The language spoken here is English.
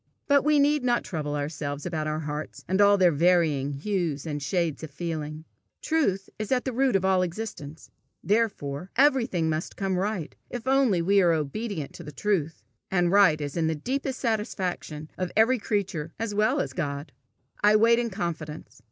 But we need not trouble ourselves about our hearts, and all their varying hues and shades of feeling. Truth is at the root of all existence, therefore everything must come right if only we are obedient to the truth; and right is the deepest satisfaction of every creature as well as of God. I wait in confidence.